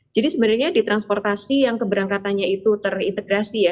jadi sebenarnya di transportasi yang keberangkatannya itu terintegrasi ya